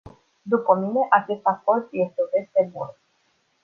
După mine, acest acord este o veste bună.